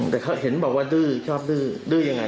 แต่เขาเห็นบอกว่าดื้อชอบดื้อดื้อยังไง